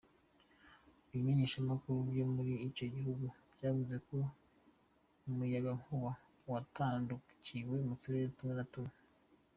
Ibimenyeshamakuru vyo muri ico gihugu vyavuze ko n'umuyagankuba watandukiwe mu turere tumwe tumwe.